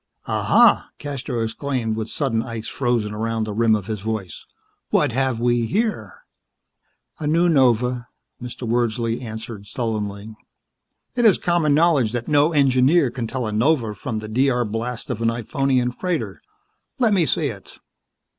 _ "Ah, ha!" DeCastros exclaimed with sudden ice frozen around the rim of his voice. "What have we here?" "A new nova," Mr. Wordsley answered sullenly. "It is common knowledge that no engineer can tell a nova from the D.R. blast of an Iphonian freighter. Let me see it."